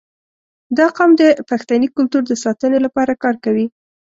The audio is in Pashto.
• دا قوم د پښتني کلتور د ساتنې لپاره کار کوي.